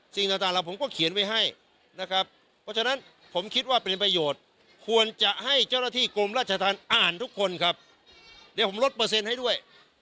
สิ่งต่างเราผมก็เขียนไว้ให้นะครับเพราะฉะนั้นผมคิดว่าเป็นประโยชน์ควรจะให้เจ้าหน้าที่กรมราชธรรมอ่านทุกคนครับเดี๋ยวผมลดเปอร์เซ็นต์ให้ด้วย